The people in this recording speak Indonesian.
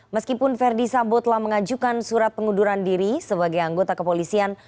meskipun verdi sambo telah mengajukan surat pengunduran diri sebagai anggota kepolisian